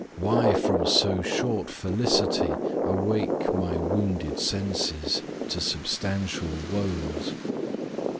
Why from so short felicity awake My wounded senses to substantial woes?